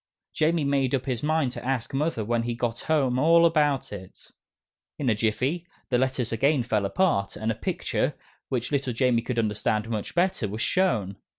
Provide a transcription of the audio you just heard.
Jamie made up his mind to ask Mother when he got home all about it. In a jiffy, the Letters again fell apart, and a picture, which little Jamie could understand much better, was shown.